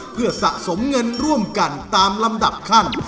เพื่อสะสมเงินร่วมกันตามลำดับขั้น